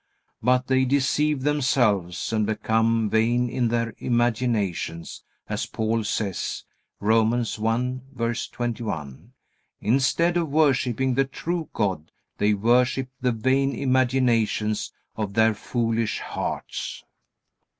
But they deceive themselves and become "vain in their imaginations," as Paul says, Romans 1:21. Instead of worshipping the true God, they worship the vain imaginations of their foolish hearts.